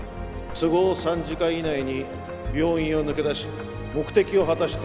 都合３時間以内に病院を抜け出し目的を果たして戻る。